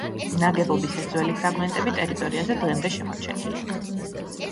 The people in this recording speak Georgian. ნაგებობის ეს ძველი ფრაგმენტები ტერიტორიაზე დღემდე შემორჩენილია.